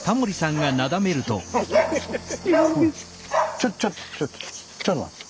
ちょっとちょっとちょっと待って。